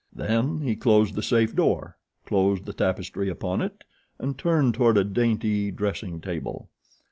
Then he closed the safe door, closed the tapestry upon it and turned toward a dainty dressing table.